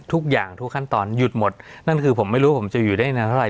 ทุกอย่างทุกขั้นตอนหยุดหมดนั่นคือผมไม่รู้ผมจะอยู่ได้นานเท่าไห